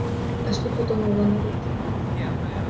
Аж і потонула навіки.